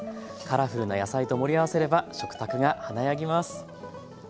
カラフルな野菜と盛り合わせれば食卓が華やぎます。